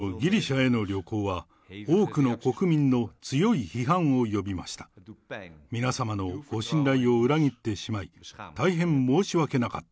私たちのギリシャへの旅行は、多くの国民の強い批判を呼びました。